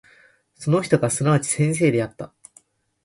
その人がすなわち先生であった。